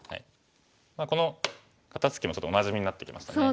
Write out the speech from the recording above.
この肩ツキもちょっとおなじみになってきましたね。